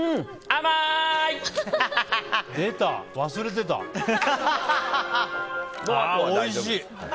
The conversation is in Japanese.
ああ、おいしい！